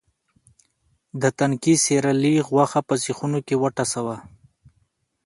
د تنکي سېرلي غوښه په سیخونو کې وټسوه.